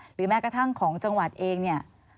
แม้กระทั่งของจังหวัดเองเนี่ย